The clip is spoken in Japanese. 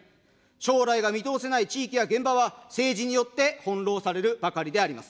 将来が見通せない地域や現場は、政治によって翻弄されるばかりであります。